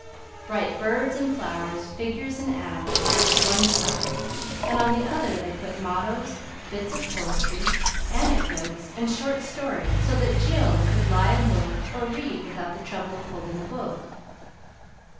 Bright birds and flowers, figures and animals, covered one side, and on the other they put mottoes, bits of poetry, anecdotes, and short stories, so that Jill could lie and look or read without the trouble of holding a book.